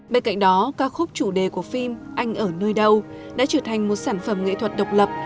bên cạnh đó ca khúc chủ đề của phim anh ở nơi đâu đã trở thành một sản phẩm nghệ thuật độc lập